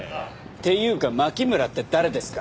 っていうか牧村って誰ですか？